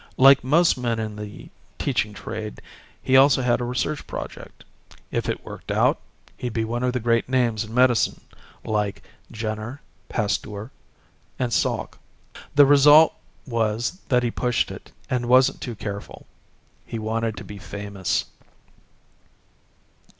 Like most men in the teaching trade, he also had a research project. If it worked out, he'd be one of the great names in medicine; like Jenner, Pasteur, and Salk. The result was that he pushed it and wasn't too careful. He wanted to be famous."